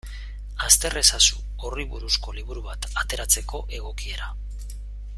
Aztertu ezazu horri buruzko liburu bat ateratzeko egokiera.